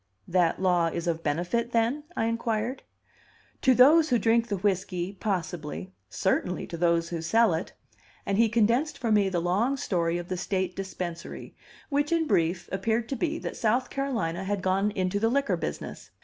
"That law is of benefit, then?" I inquired. "To those who drink the whiskey, possibly; certainly to those who sell it!" And he condensed for me the long story of the state dispensary, which in brief appeared to be that South Carolina had gone into the liquor business.